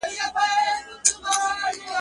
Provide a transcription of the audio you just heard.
زموږ په لمبه به پردۍ شپې روڼېږي.